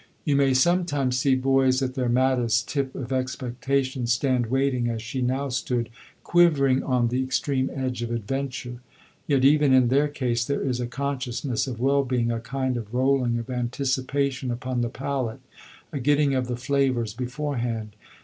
You may sometimes see boys at their maddest tip of expectation stand waiting as she now stood, quivering on the extreme edge of adventure; yet even in their case there is a consciousness of well being, a kind of rolling of anticipation upon the palate, a getting of the flavours beforehand.